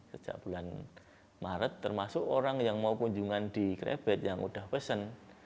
sejak bulan maret termasuk orang yang mau kunjungan di krebet yang sudah pesen